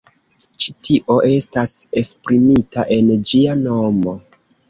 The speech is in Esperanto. Ĉi tio estas esprimita en ĝia nomo.